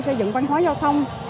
xây dựng văn hóa giao thông